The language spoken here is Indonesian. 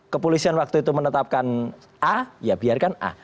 kepolisian waktu itu menetapkan a ya biarkan a